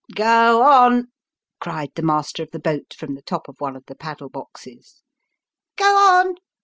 <; Go on !" cried the master of the boat from the top of one of the paddle boxes. " Go on